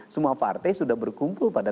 semua partai sudah berkumpul pada